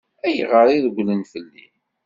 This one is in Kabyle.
Ayɣer i regglen fell-i?